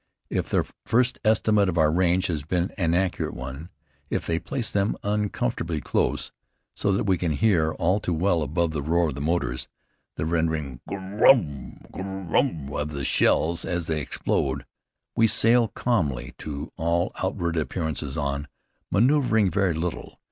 If their first estimate of our range has been an accurate one, if they place them uncomfortably close, so that we can hear, all too well, above the roar of our motors, the rending Gr r rOW, Gr r rOW, of the shells as they explode, we sail calmly to all outward appearances on, maneuvering very little.